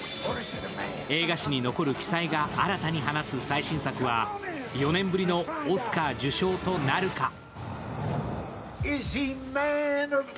映画史に残る奇才が新たに放つ最新作は４年ぶりのオスカー受賞となるか。